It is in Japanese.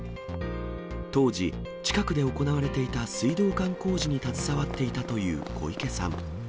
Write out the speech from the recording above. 当時、近くで行われていた水道管工事に携わっていたという小池さん。